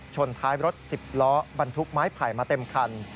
ท้ายรถ๑๐ล้อบรรทุกไม้ไผ่มาเต็มคัน